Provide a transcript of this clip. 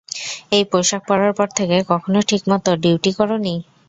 এই পোশাক পড়ার পর থেকে, কখনো ঠিকমতো ডিউটি করোনি।